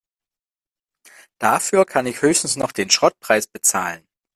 Dafür kann ich höchstens noch den Schrottpreis bezahlen.